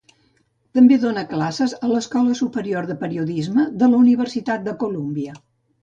També dóna classes a l'Escola Superior de Periodisme de la Universitat de Columbia.